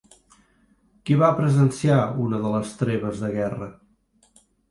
Qui va presenciar una de les treves de guerra?